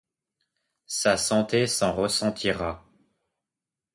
Sa santé s'en ressentira.